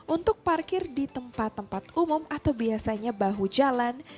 untuk parkir di tempat tempat umum atau biasanya bahu jalan